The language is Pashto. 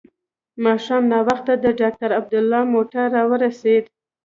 ماښام ناوخته د ډاکټر عبدالله موټر راورسېد.